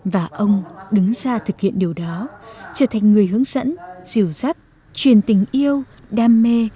và ông đứng ra thực hiện điều đó trở thành người hướng dẫn dìu dắt truyền tình yêu đam mê